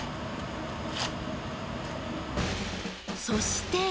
そして。